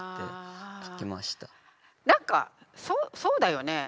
何かそうだよねえ。